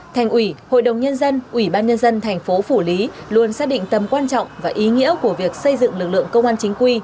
thành ủy hội đồng nhân dân ubnd thành phố phủ lý luôn xác định tầm quan trọng và ý nghĩa của việc xây dựng lực lượng công an chính quy